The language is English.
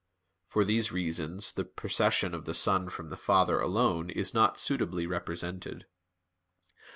For these reasons the procession of the Son from the Father alone is not suitably represented.